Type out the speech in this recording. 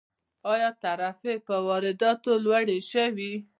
آیا تعرفې په وارداتو لوړې شوي؟